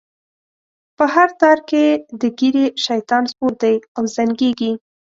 په هر تار کی یې د ږیری؛ شیطان سپور دی او زنګیږی